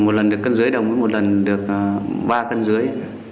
một lần được cân dưới đồng mới một lần được ba cân dưới